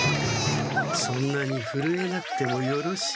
そんなにふるえなくてもよろしい。